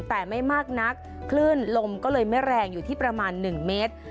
แต่ไม่มากนักคลื่นลมก็เลยไม่แรงอยู่ที่ประมาณ๑เมตร